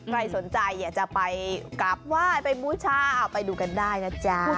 ใครสนใจอยากจะไปกลับไหว้ไปบูชาเอาไปดูกันได้นะจ๊ะ